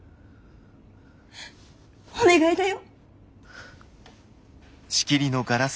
お願いだよ？